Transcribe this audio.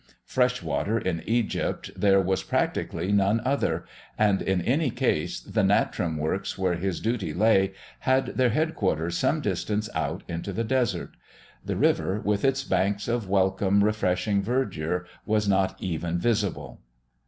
Fresh water in Egypt there was practically none other, and in any case the natrum works where his duty lay had their headquarters some distance out into the desert. The river, with its banks of welcome, refreshing verdure, was not even visible.